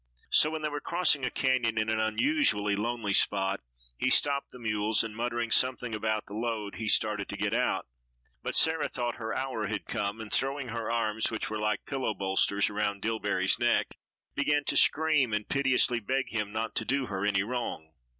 So when they were crossing a canyon in an unusually lonely spot, he stopped the mules and muttering something about the load, he started to get out, but Sarah thought her hour had come, and throwing her arms (which were like pillow bolsters) around Dillbery's neck, began to scream and piteously beg him not to do her any wrong.